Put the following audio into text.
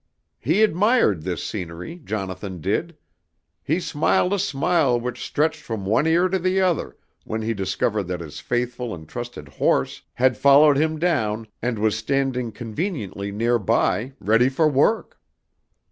"He admired this scenery, Jonathan did. He smiled a smile which stretched from one ear to the other when he discovered that his faithful and trusted horse had followed him down and was standing conveniently near by, ready for work.